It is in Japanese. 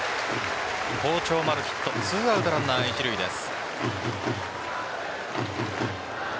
好調丸、ヒット２アウトランナー一塁です。